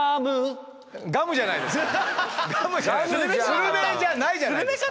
スルメじゃないじゃないですか。